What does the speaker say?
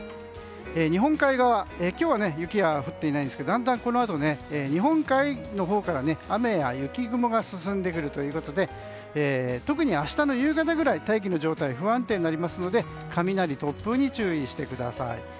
日本海側今日は雪が降っていないんですがだんだん、このあと日本海のほうから雨雲、雪雲が進んでくるということで特に明日の夕方くらい大気の状態が不安定になりますので雷、突風に注意してください。